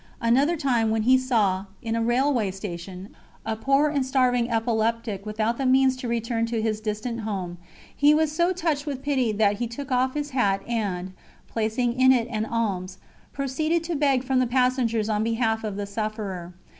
Another time when he saw, in a railway station, a poor and starving epileptic without the means to return to his distant home, he was so touched with pity that he took off his hat and, placing in it an alms, proceeded to beg from the passengers on behalf of the sufferer.